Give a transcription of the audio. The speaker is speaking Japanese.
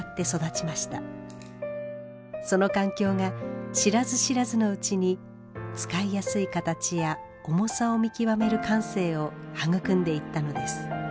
その環境が知らず知らずのうちに使いやすい形や重さを見極める感性を育んでいったのです。